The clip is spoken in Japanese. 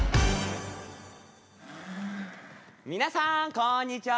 皆さんこんにちは！